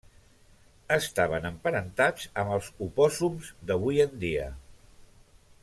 Estaven emparentats amb els opòssums d'avui en dia.